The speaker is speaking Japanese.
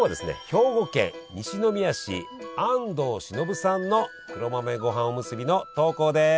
兵庫県西宮市安藤忍さんの黒豆ごはんおむすびの投稿です。